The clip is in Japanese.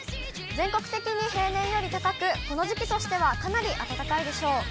全国的に平年より高く、この時期としてはかなり暖かいでしょう。